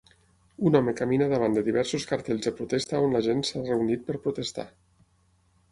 Un home camina davant de diversos cartells de protesta on la gent s'ha reunit per protestar.